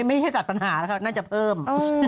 ไม่ใช่จัดปัญหานะคะน่าจะเพิ่ม